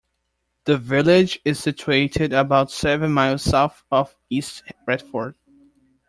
The village is situated about seven miles south of East Retford.